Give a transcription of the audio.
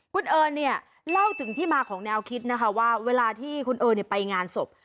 คุณเอิญเนี่ยเล่าถึงที่มาของแนวคิดนะคะว่าเวลาที่คุณเอิญไปงานศพ